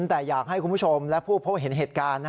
แต่อยากให้คุณผู้ชมและผู้พบเห็นเหตุการณ์